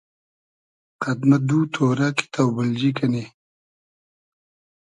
قئد مۂ دو تۉرۂ کی تۆبیلجی کئنی